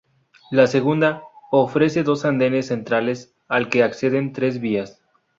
La segunda ofrece dos andenes centrales al que acceden tres vías.